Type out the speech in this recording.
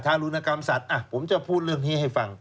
รุณกรรมสัตว์ผมจะพูดเรื่องนี้ให้ฟัง